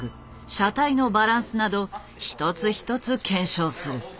車体のバランスなど一つ一つ検証する。